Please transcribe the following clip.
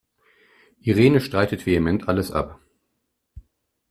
Irene streitet vehement alles ab.